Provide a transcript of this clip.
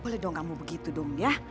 boleh dong kamu begitu dong ya